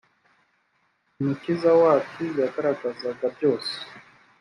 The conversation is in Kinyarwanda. umukiza wacu yagaragazaga byose